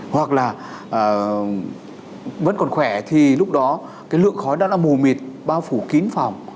hoặc là vẫn còn khỏe thì lúc đó cái lượng khói đó là mù mịt bao phủ kín phòng